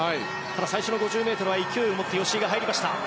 最初の５０ｍは勢いを持って入りました。